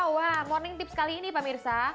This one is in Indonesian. wah morning tips kali ini pak mirsa